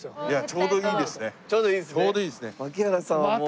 ちょうどいいですね。